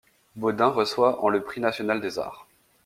Beaudin reçoit en le Prix national des arts.